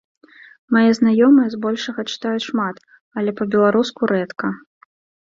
Мае знаёмыя збольшага чытаюць шмат, але па-беларуску рэдка.